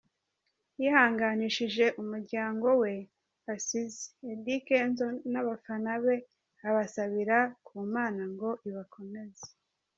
Yihanganishije umuryango we asize, Eddy Kenzo n'abafana be abasabira ku Mana ngo ibakomeze.